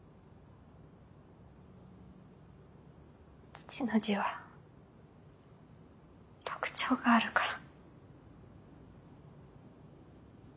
父の字は特徴があるから。